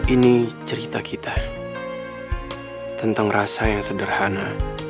ini cerita kita tentang rasa yang sederhana